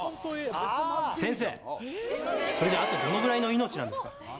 「先生それじゃあとどのぐらいの命なんですか？」